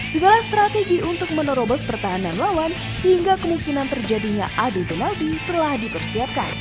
segala strategi untuk menerobos pertahanan lawan hingga kemungkinan terjadinya adu penalbi telah dipersiapkan